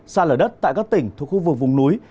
xa lở đất tại các tỉnh thuộc khu vực vùng núi